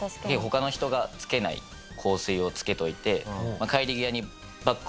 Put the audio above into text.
他の人がつけない香水をつけておいて。